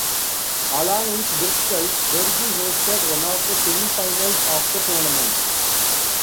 Along with Bristol, Derby hosted one of the semi-finals of the tournament.